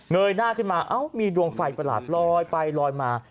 ยหน้าขึ้นมาเอ้ามีดวงไฟประหลาดลอยไปลอยมา